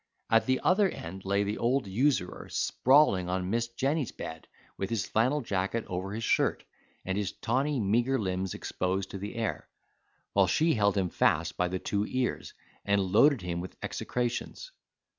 At the other end lay the old usurer, sprawling on Miss Jenny's bed, with his flannel jacket over his shirt, and his tawny meagre limbs exposed to the air; while she held him fast by the two ears, and loaded him with execrations.